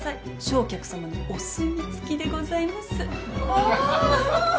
正客さまのお墨付きでございます。